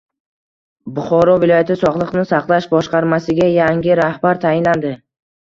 Buxoro viloyati sog‘liqni saqlash boshqarmasiga yangi rahbar tayinlandi